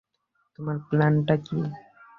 তোমার প্ল্যানটা কী?